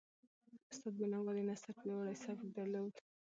استاد بینوا د نثر پیاوړی سبک درلود.